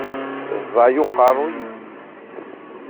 Ẓẓay uqerruy-is.